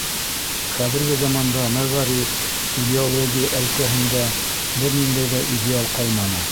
Хәҙерге заманда мәғариф, идеология әлкәһендә бер ниндәй ҙә идеал ҡалманы.